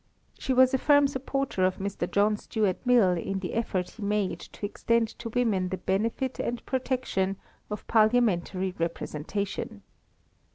She was a firm supporter of Mr. John Stuart Mill in the effort he made to extend to women the benefit and protection of Parliamentary representation.